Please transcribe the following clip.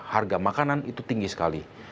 harga makanan itu tinggi sekali